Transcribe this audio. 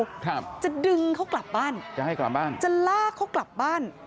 ครับจะดึงเขากลับบ้านจะลากเขากลับบ้าน